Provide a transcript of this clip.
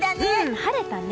晴れたね。